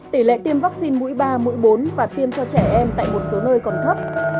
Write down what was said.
tỷ lệ tiêm vaccine mũi ba mũi bốn và tiêm cho trẻ em tại một số nơi còn thấp